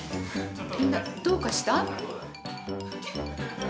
みんなどうかした？